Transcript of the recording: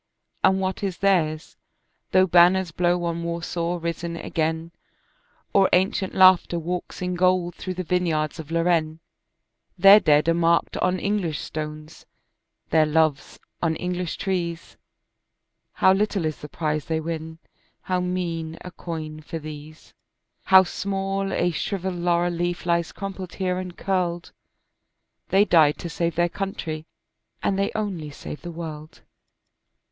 And what is theirs, though banners blow on Warsaw risen again, Or ancient laughter walks in gold through the vineyards of Lorraine, Their dead are marked on English stones, their loves on English trees, How little is the prize they win, how mean a coin for these— How small a shrivelled laurel leaf lies crumpled here and curled: They died to save their country and they only saved the world.